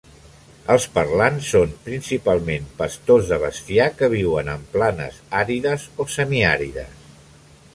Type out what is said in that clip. Els parlants són principalment pastors de bestiar que viuen en planes àrides o semiàrides.